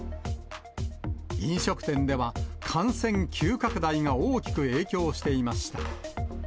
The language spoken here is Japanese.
飲食店では、感染急拡大が大きく影響していました。